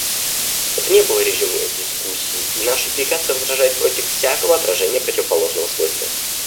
Это не было резюме дискуссии, и наша делегация возражает против всякого отражения противоположного свойства.